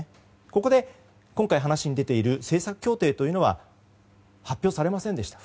ここで今回、話に出ている政策協定というのは発表されませんでした。